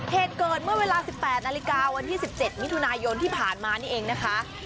เหตุเกิดเมื่อเวลา๑๘นาฬิกาวันที่๑๗มิถุนายนที่ผ่านมานี่เองนะคะ